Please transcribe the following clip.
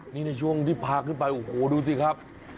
นี่ในช่วงที่พาขึ้นไปโอ้โหดูสิครับ